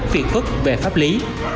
việc ước về pháp lý